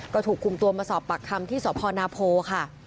ก็ถูกคุมตัวมาสอบปากคำที่สพนาโพค่ะ